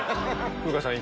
風花さん